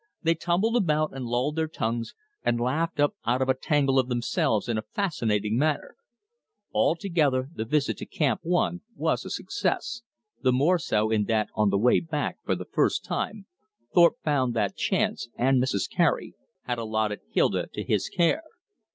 They tumbled about, and lolled their tongues, and laughed up out of a tangle of themselves in a fascinating manner. Altogether the visit to Camp One was a success, the more so in that on the way back, for the first time, Thorpe found that chance and Mrs. Cary had allotted Hilda to his care.